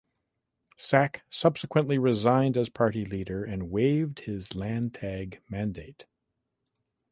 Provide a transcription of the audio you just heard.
Sack subsequently resigned as party leader and waived his Landtag mandate.